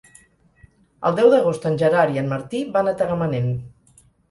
El deu d'agost en Gerard i en Martí van a Tagamanent.